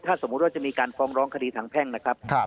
ถ้าสมมุติว่าจะมีการฟ้องร้องคดีทางแพ่งนะครับ